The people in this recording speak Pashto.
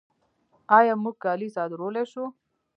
آیا موږ کالي صادرولی شو؟